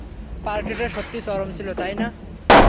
পার্টিটা সত্যিই চরম ছিলো, তাই না?